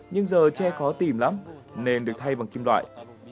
nhưng giờ che khó tìm lắm nên được thay bằng kim loại